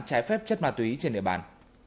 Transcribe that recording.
trái phép chất ma túy trên địa bàn